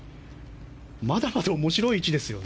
まだまだ面白い位置ですね。